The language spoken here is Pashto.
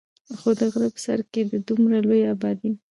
خو د غرۀ پۀ سر کښې د دومره لوے ابادي